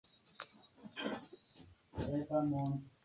En el caso de Cuevas tienen el tejado de teja.